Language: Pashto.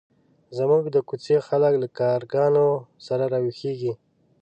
زموږ د کوڅې خلک له کارګانو سره راویښېږي.